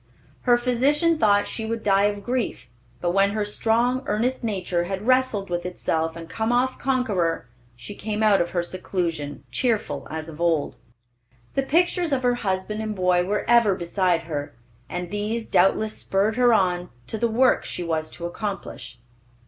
Her physician thought she would die of grief; but when her strong, earnest nature had wrestled with itself and come off conqueror, she came out of her seclusion, cheerful as of old. The pictures of her husband and boy were ever beside her, and these doubtless spurred her on to the work she was to accomplish.